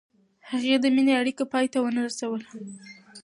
هغې د مینې اړیکه پای ته ونه رسوله.